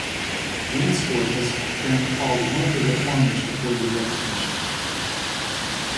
Gansfort has been called one of the reformers before the Reformation.